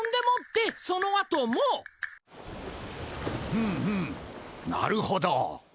ふんふんなるほど。